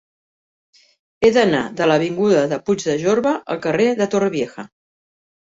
He d'anar de l'avinguda de Puig de Jorba al carrer de Torrevieja.